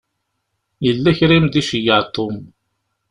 Yella kra i m-d-iceyyeɛ Tom.